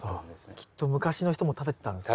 きっと昔の人も食べてたんですね。